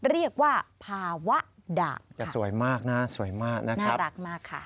เรียกว่าภาวะดากน่ารักมากค่ะจะสวยมากนะ